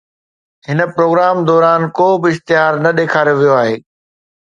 هن پروگرام دوران ڪو به اشتهار نه ڏيکاريو ويو آهي